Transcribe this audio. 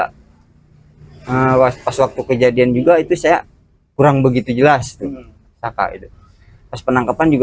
hai alas pas waktu kejadian juga itu saya kurang begitu jelas tuh saka itu pas penangkapan juga